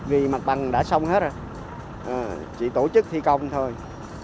vì mặt bằng đã xong hết rồi chỉ tổ chức thi công thôi